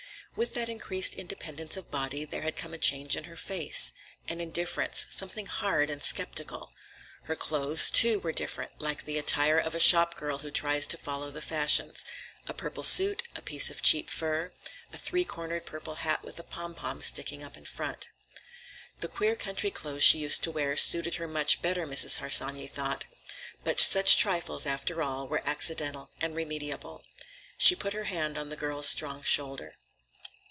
With that increased independence of body there had come a change in her face; an indifference, something hard and skeptical. Her clothes, too, were different, like the attire of a shopgirl who tries to follow the fashions; a purple suit, a piece of cheap fur, a three cornered purple hat with a pompon sticking up in front. The queer country clothes she used to wear suited her much better, Mrs. Harsanyi thought. But such trifles, after all, were accidental and remediable. She put her hand on the girl's strong shoulder.